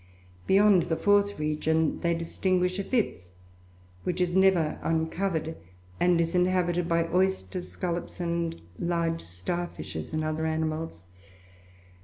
Beyond the fourth region they distinguish a fifth, which is never uncovered, and is inhabited by oysters, scallops, and large starfishes and other animals.